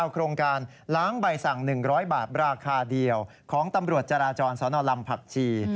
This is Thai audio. โครงการล้างใบสั่ง๑๐๐บาทราคาเดียวของตำรวจจราจรสนลำผักชี